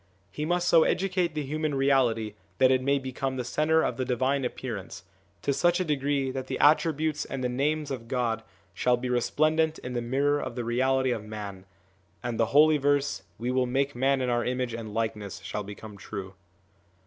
He must so educate the human reality that it may become the centre of the divine appearance, to such a degree that the attributes and the names of God shall be resplendent in the mirror of the reality of man, and the holy verse, ' We will make man in Our image and likeness/ shall become true.